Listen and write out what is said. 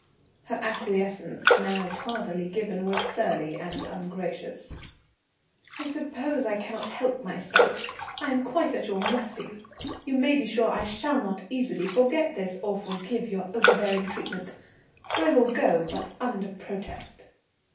Her acquiescence, now tardily given, was surly and ungracious. "I suppose I cannot help myself; I am quite at your mercy. You may be sure I shall not easily forget this, or forgive your overbearing treatment. I will go, but under protest."